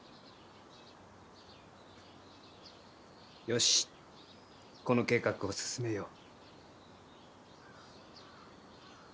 よしこの計画を進めよう。